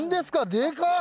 でかっ！